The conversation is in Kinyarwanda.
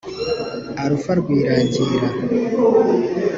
Alpha Rwirangira